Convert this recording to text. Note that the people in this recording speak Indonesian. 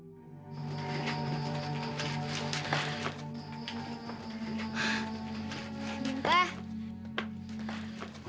minta kasihkan atas firmananku